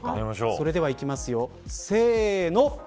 それではいきますよ、せーの。